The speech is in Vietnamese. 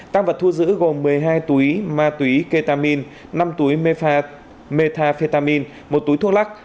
tăng vật thu giữ gồm một mươi hai túy ma túy ketamin năm túy metafetamin một túy thuốc lắc